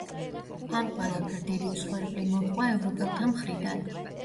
ამ ყველაფერ დიდი მსხვერპლი მოჰყვა ევროპელთა მხრიდან.